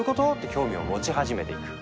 興味を持ち始めていく。